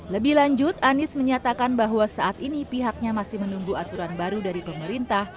lebih lanjut anies menyatakan bahwa saat ini pihaknya masih menunggu aturan baru dari pemerintah